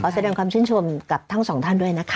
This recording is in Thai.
แสดงความชื่นชมกับทั้งสองท่านด้วยนะคะ